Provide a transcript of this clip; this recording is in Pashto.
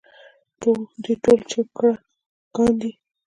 دوی ټول چوکره ګان دي.